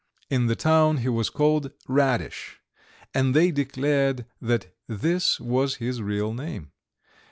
In the town he was called Radish, and they declared that this was his real name.